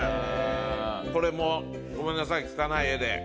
これもごめんなさい汚い画で。